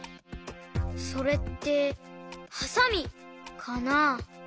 それってはさみかな？